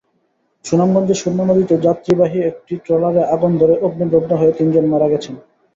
সুনামগঞ্জের সুরমা নদীতে যাত্রাবাহী একটি ট্রলারে আগুন ধরে অগ্নিদগ্ধ হয়ে তিনজন মারা গেছেন।